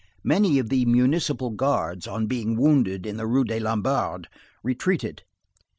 Many of the Municipal Guards, on being wounded, in the Rue des Lombards, retreated.